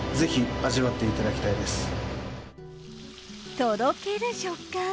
とろける食感。